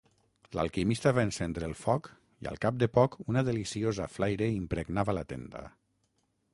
L'Alquimista va encendre el foc i al cap de poc una deliciosa flaire impregnava la tenda.